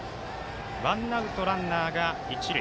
ワンアウトランナーが一塁。